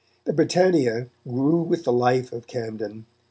The Britannia grew with the life of Camden.